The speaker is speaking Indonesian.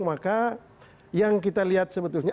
maka yang kita lihat sebetulnya